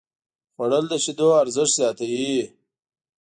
خوړل د شیدو ارزښت زیاتوي